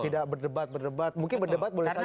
tidak berdebat berdebat mungkin berdebat boleh saja